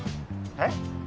えっ？